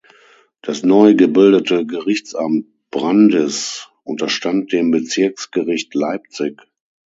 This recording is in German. Das neu gebildete Gerichtsamt Brandis unterstand dem Bezirksgericht Leipzig.